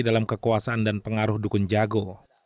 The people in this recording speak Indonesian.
dalam kekuasaan dan pengaruh dukun jago